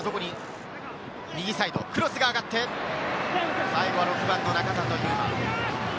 右サイド、クロスが上がって、最後は６番の仲里。